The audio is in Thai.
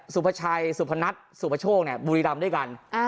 สุภชายสุภนัฐสุภโชคร์บุรีรัมด์ด้วยกัน